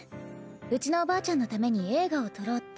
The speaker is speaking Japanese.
うちのおばあちゃんのために映画を撮ろうって。